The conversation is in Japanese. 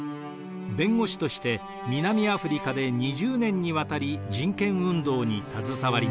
弁護士として南アフリカで２０年にわたり人権運動に携わりました。